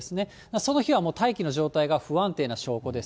その日はもう、大気の状態が不安定な証拠です。